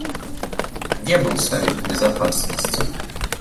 Где был Совет Безопасности?